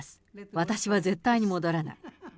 私は絶対に戻らない。